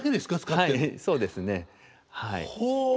はいそうですね。ほう！